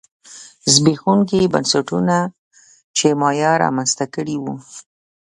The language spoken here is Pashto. زبېښونکي بنسټونه چې مایا رامنځته کړي وو